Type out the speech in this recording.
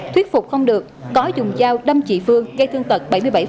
thuyết phục không được có dùng dao đâm chị phương gây thương tật bảy mươi bảy